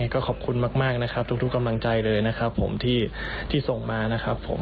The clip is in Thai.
ก็ขอบคุณมากนะครับทุกกำลังใจเลยนะครับผมที่ส่งมานะครับผม